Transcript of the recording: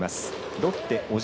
ロッテ、小島。